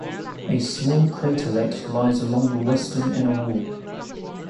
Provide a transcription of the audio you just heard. A small craterlet lies along the western inner wall.